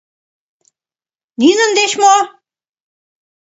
Нинын деч мо?